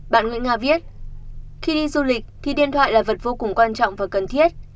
bạn nguyễn nga viết khi đi du lịch thì điện thoại là vật vô cùng quan trọng và cần thiết